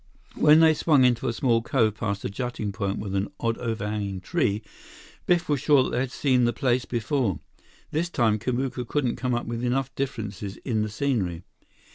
When they swung into a small cove past a jutting point with an odd overhanging tree, Biff was sure that they had seen the place before. This time, Kamuka couldn't come up with enough differences in the scenery.